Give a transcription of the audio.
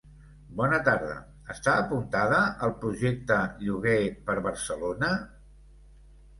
Bona tarda, està apuntada al projecte Lloguer per Barcelona?